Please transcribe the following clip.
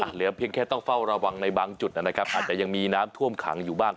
เหลือเพียงแค่ต้องเฝ้าระวังในบางจุดนะครับอาจจะยังมีน้ำท่วมขังอยู่บ้าง